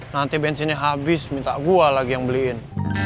nanti bensinnya habis minta gua lagi yang beliin